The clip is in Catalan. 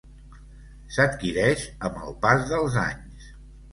S'adquireix amb el pas dels anys.